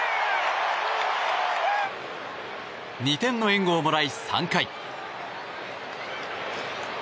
２点の援護をもらい、３回。